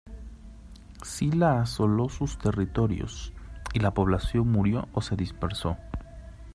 Sila asoló sus territorios, y la población murió o se dispersó.